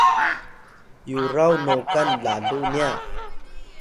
Yuraw Nokan lalu nya